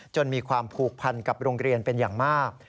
มีความผูกพันกับโรงเรียนเป็นอย่างมาก